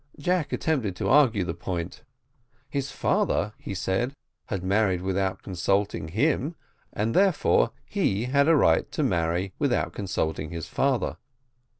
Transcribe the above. Jack attempted to argue the point; his father, he said, had married without consulting him, and therefore he had a right to marry without consulting his father.